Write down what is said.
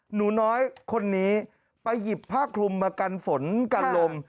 หนูน้อยคนนี้ไปหยิบผ้าคลุมมากันฝนกันลม